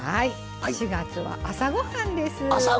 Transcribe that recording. ４月は「朝ごはん」です。